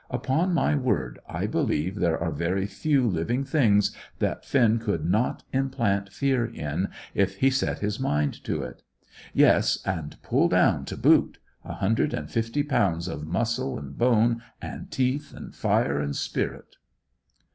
Upon my word, I believe there are very few living things that Finn could not implant fear in, if he set his mind to it; yes, and pull down, to boot a hundred and fifty pounds of muscle and bone, and teeth and fire and spirit!"